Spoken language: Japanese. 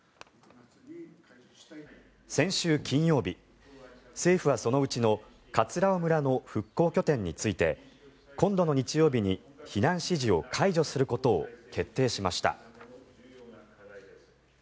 先週金曜日、政府はそのうちの葛尾村の復興拠点について今度の日曜日に避難指示を解除することを決定しました。